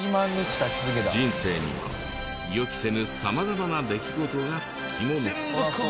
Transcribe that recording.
人生には予期せぬ様々な出来事がつきもの。